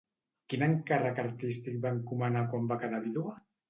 Quin encàrrec artístic va encomanar quan va quedar vídua?